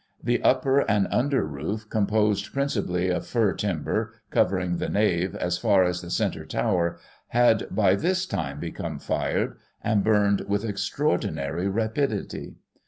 The upper and under roof, composed principally of fir timber, covering the nave, as far as the centre tower, had, by this time, become fired, and burned with' extraordinary rapidity.